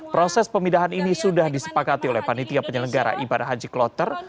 proses pemindahan ini sudah disepakati oleh panitia penyelenggara ibadah haji kloter